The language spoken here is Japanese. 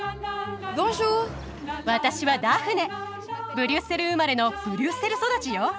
ブリュッセル生まれのブリュッセル育ちよ。